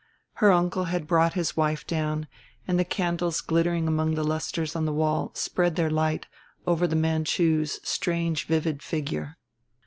Her uncle had brought his wife down and the candles glittering among the lusters on the walls spread their light over the Manchu's strange vivid figure.